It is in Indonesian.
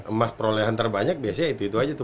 emas perolehan terbanyak biasanya itu itu aja tuh